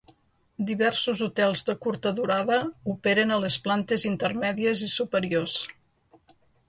Diversos hotels de curta durada operen a les plantes intermèdies i superiors.